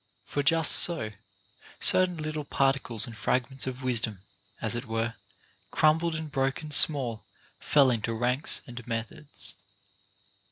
For just so, certain little particles and fragments of wisdom as it were crumbled and broken small fell into ranks and methods.